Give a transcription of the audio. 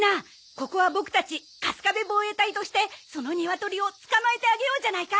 ここはボクたちカスカベ防衛隊としてそのニワトリを捕まえてあげようじゃないか！